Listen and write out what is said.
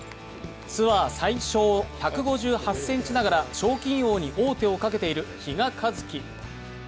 ツアー最小１５８ｃｍながら賞金王に手をかけている比嘉一貴。